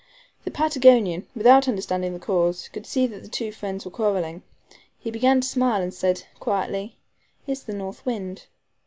The Patagonian, without understanding the cause, could see that the two friends were quarreling. He began to smile, and said quietly: "It's the north wind."